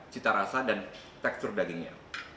cita rasa dan tekstur dagingnya